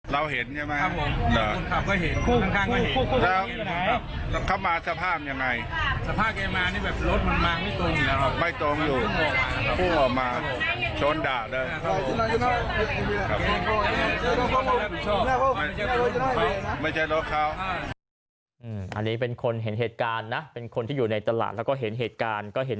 เราเห็นใช่ไหมครับครับผมมีคนขับก็เห็นทางข้างก็เห็น